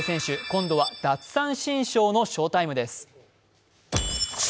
今度は奪三振ショーの翔タイムです。